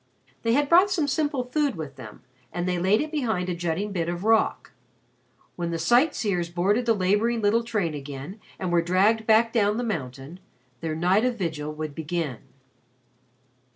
They had brought some simple food with them, and they laid it behind a jutting bit of rock. When the sight seers boarded the laboring little train again and were dragged back down the mountain, their night of vigil would begin.